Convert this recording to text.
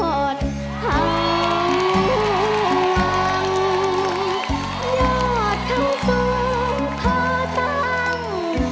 ยอดทั้งสูงท่าตั้ง